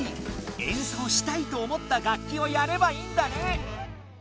演奏したいと思った楽器をやればいいんだね！